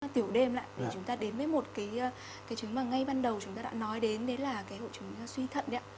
tiểu đêm lại chúng ta đến với một cái chứng mà ngay ban đầu chúng ta đã nói đến là hội chứng suy thận